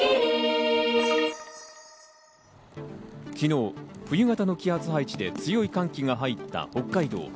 昨日冬型の気圧配置で強い寒気が入った北海道。